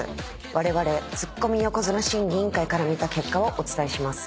われわれツッコミ横綱審議委員会から見た結果をお伝えします。